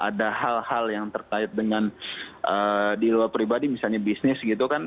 ada hal hal yang terkait dengan di luar pribadi misalnya bisnis gitu kan